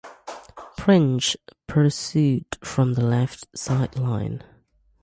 Prince pursued from the left sideline.